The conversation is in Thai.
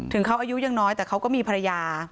เขาอายุยังน้อยแต่เขาก็มีภรรยา